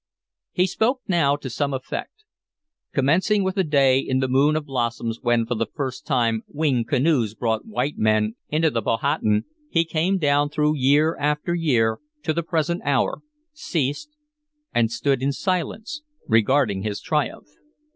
He spoke now to some effect. Commencing with a day in the moon of blossoms when for the first time winged canoes brought white men into the Powhatan, he came down through year after year to the present hour, ceased, and stood in silence, regarding his triumph.